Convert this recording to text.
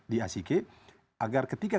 di ack agar ketika